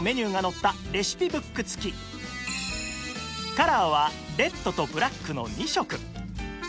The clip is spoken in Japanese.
カラーはレッドとブラックの２色